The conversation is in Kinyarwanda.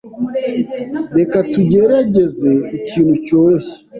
Reka tugerageze ikintu cyoroshye.